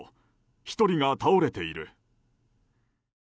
１人が倒れている。